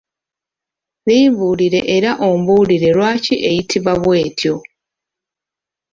Limbuulire era ombuulire lwaki eyitibwa bw’etyo?